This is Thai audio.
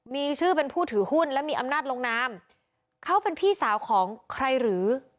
มีชื่อเป็นผู้ถือหุ้นและมีอำนาจลงนามเขาเป็นพี่สาวของใครหรือ